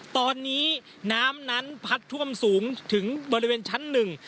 ตอนนี้น้ำนั้นพัดท่วมสูงถึงบริเวณชั้นหนึ่ง